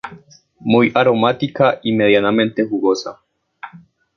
Muy aromática y medianamente jugosa.